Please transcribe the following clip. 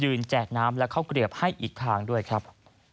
แจกน้ำและข้าวเกลียบให้อีกทางด้วยครับ